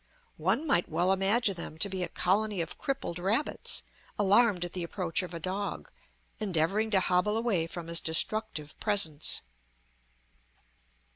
One might well imagine them to be a colony of crippled rabbits, alarmed at the approach of a dog, endeavoring to hobble away from his destructive presence.